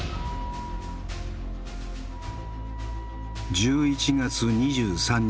１１月２３日。